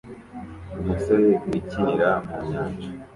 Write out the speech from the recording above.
Umusore wikinira mu nyanja